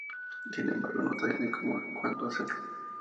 Sin embargo, no sabía cómo ni cuándo hacerlo.